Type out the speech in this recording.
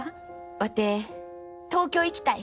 ワテ東京行きたい。